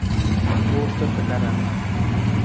Ruurata takarang.